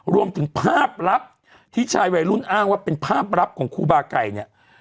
รวมถึงภาพลับที่ชายวัยรุ่นอ้างว่าเป็นภาพลับของครูบาไก่เนี่ย